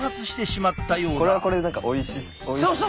これはこれで何かおいしそう。